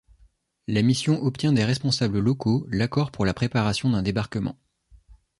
La mission obtient des responsables locaux l'accord pour la préparation d'un débarquement.